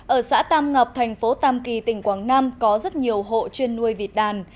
ở xã tam ngọc tp tam kỳ tỉnh quảng nam có rất nhiều hộ chuyên nuôi vịt đàn